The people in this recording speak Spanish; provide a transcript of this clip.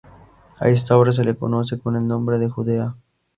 A esta obra se le conoce con el nombre de Judea.